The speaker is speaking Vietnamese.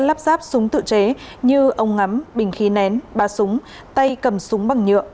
lắp ráp súng tự chế như ống ngắm bình khí nén ba súng tay cầm súng bằng nhựa